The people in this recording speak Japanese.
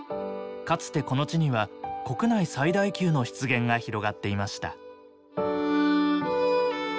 かつてこの地には国内最大級の湿原が広がっていました。